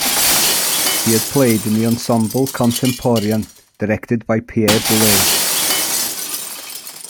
He has played in the "Ensemble Contemporain" directed by Pierre Boulez.